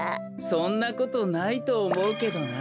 そんなことないとおもうけどな。